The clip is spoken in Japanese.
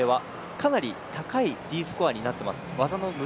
かなり高いＤスコアになっています